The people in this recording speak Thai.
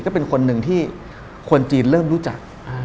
ก็เป็นคนหนึ่งที่คนจีนเริ่มรู้จัก